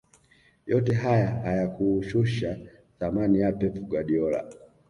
yote haya hayakushusha thamani ya pep guardiola